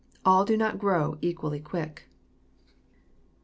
All do not grow equally quick.